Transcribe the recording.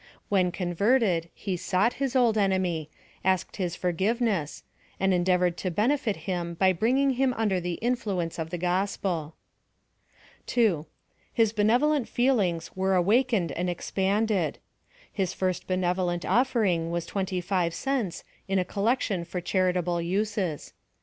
When con verted, he sought his old enemy — asked his forgive ness ; and endeavored to benefit him by bringing him under the influence of the gospel. 2. His benevolent feelings were awakened and expanded. His first benevolent oflering was twen ty five cents, in a collection for charitable uses.